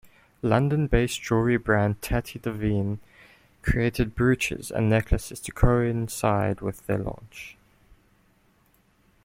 London-based jewellery brand Tatty Devine created brooches and necklaces to coincide with the launch.